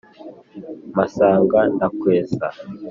mpasanga ndakwesa.